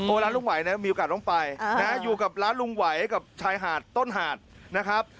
ร้านลุงไหวนะมีโอกาสต้องไปอยู่กับร้านลุงไหวกับชายหาดต้นหาดนะครับ